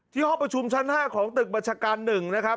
ห้องประชุมชั้น๕ของตึกบัญชาการ๑นะครับ